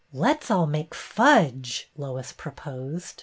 Let 's all make fudge," Lois proposed.